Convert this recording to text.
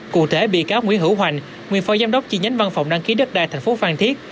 cụ thể bị cáo nguyễn hữu hoành nguyên phó giám đốc chi nhánh văn phòng đăng ký đất đai tp phan thiết